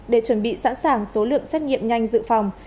để chuẩn bị sẵn sàng số lượng xét nghiệm nhanh dự phòng